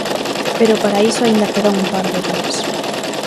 Pero para iso aínda quedan un par de días.